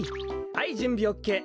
はいじゅんびオッケー。